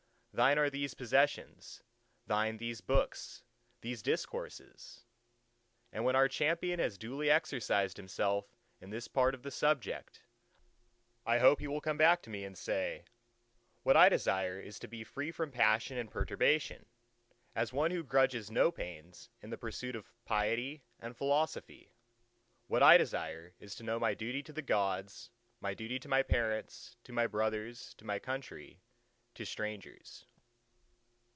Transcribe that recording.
Thine are these possessions; thine these books, these discourses!" And when our champion has duly exercised himself in this part of the subject, I hope he will come back to me and say:—"What I desire is to be free from passion and from perturbation; as one who grudges no pains in the pursuit of piety and philosophy, what I desire is to know my duty to the Gods, my duty to my parents, to my brothers, to my country, to strangers."